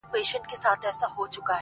نسه نه وو نېمچه وو ستا د درد په درد.